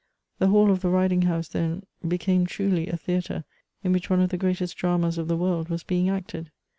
The hsdl of the riding house then became truly a theatre, in which one of the greatest dramas of the world was being acted.